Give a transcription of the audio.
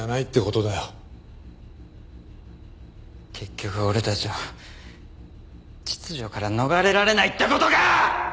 結局俺たちは秩序から逃れられないって事か！